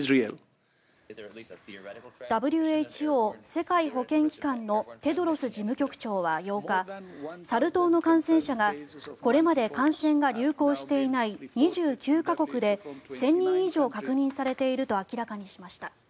ＷＨＯ・世界保健機関のテドロス事務局長は８日サル痘の感染者が、これまで感染が流行していない２９か国で１０００人以上確認されていると明らかにしました。